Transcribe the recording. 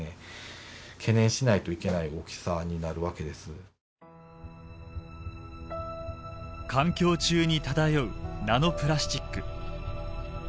今度はその環境中に漂うナノプラスチック。